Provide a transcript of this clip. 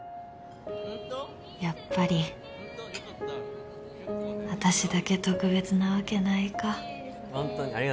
やっぱり私だけ特別なわけないかホントに？